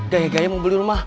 gayanya mau beli rumah